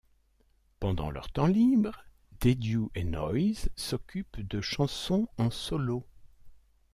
Pendant leur temps libre, Dedduh et Noyz s'occupent de chansons en solo.